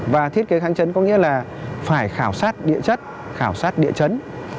và thiết kế kháng trấn có nghĩa là phải khảo sát địa chất khảo sát địa trấn